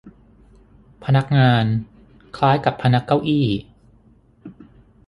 พนักงาน คล้ายกับพนักเก้าอี้